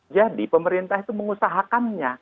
jadi pemerintah itu mengusahakannya